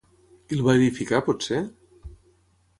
Qui el va edificar, potser?